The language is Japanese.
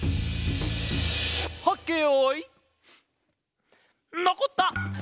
はっけよいのこった！